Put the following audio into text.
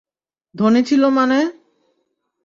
ধনী ছিল মানে?